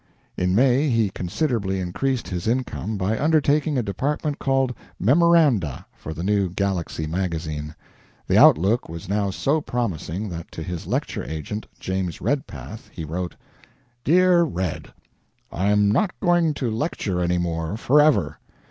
In May he considerably increased his income by undertaking a department called "Memoranda" for the new "Galaxy" magazine. The outlook was now so promising that to his lecture agent, James Redpath, he wrote: "DEAR RED: I'm not going to lecture any more forever.